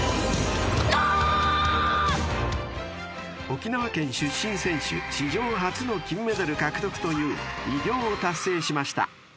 ［沖縄県出身選手史上初の金メダル獲得という偉業を達成しました］